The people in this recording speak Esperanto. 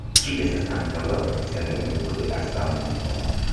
Ĝi estas ankaŭ la oficiala lingvo de Asamo.